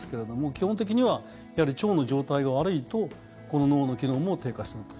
基本的には腸の状態が悪いとこの脳の機能も低下してくると。